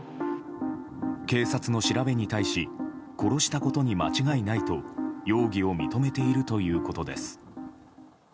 警察の調べに対し殺したことに間違いないと容疑を認めているということです。